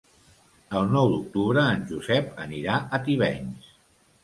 El nou d'octubre en Josep anirà a Tivenys.